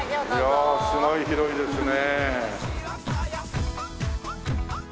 いやすごい広いですね。